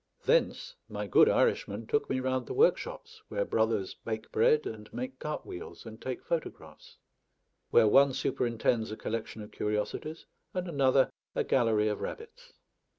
Thence my good Irishman took me round the workshops, where brothers bake bread, and make cart wheels, and take photographs; where one superintends a collection of curiosities, and another a gallery of rabbits.